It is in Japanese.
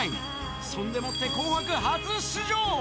そんでもって紅白初出場。